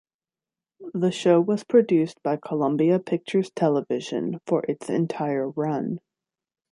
The show was produced by Columbia Pictures Television for its entire run.